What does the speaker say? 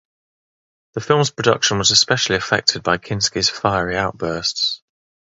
The film's production was especially affected by Kinski's fiery outbursts.